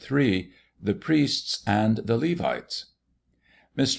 III THE PRIESTS AND THE LEVITES MR.